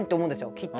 きっと。